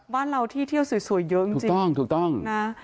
ว่าเราที่เที่ยวสวยเยอะจริงนะถูกต้อง